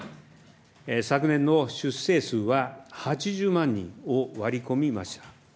昨年の出生数は８０万人を割り込みました。